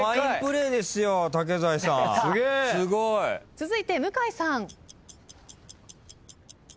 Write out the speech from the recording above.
続いて向井さん。